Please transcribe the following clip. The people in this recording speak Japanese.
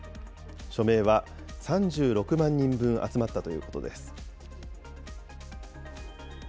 署名は３６万人分集まったということです。